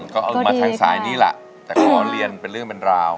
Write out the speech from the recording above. ก็เอามาทางสายนี่แหละแต่ขอเรียนเป็นเรื่องเป็นราว